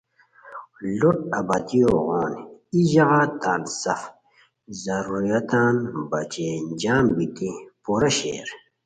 لوٹ آبادیو غون ای ژاغا تان سف ضروریاتان بچے جم بیتی پورہ شیر